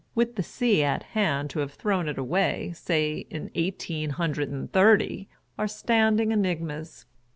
[Conducted by with the sea at hand, to have thrown it away, say in eighteen hundred and thirty, are stand ing enigmas.